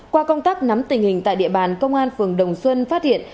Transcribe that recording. qua công tác nắm tình hình tại địa bàn công an phường đồng xuân phát hiện